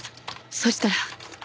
そしたら。